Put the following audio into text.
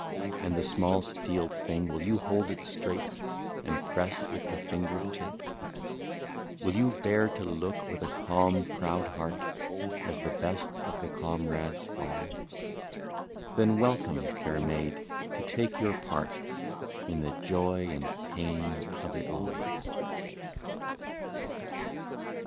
And the small steel thing — will you hold it straight. And press with the finger tip ; Will you bear to look with a calm proud heart, As the best of the comrades fall ?— Then, welcome, fair maid, to take your part In the joy and pain of it all.